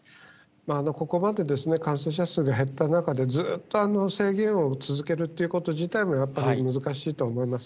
ここまで感染者数が減った中で、ずっと制限を続けるということ自体も、やっぱり難しいと思います。